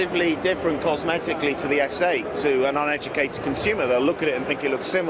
untuk pengguna yang tidak berpengalaman mereka akan melihatnya dan berpikir pikirnya terlihat sama